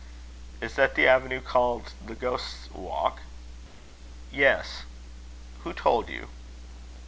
"Is that the avenue called the Ghost's Walk?" "Yes. Who told you?"